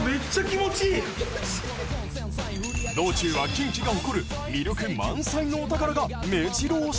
道中は近畿が誇る魅力満載のお宝がめじろ押し。